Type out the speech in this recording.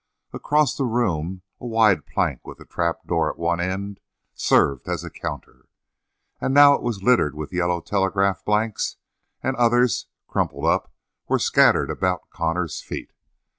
Across the room a wide plank with a trapdoor at one end served as a counter, and now it was littered with yellow telegraph blanks, and others, crumpled up, were scattered about Connor's feet.